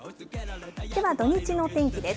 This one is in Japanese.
では土日のお天気です。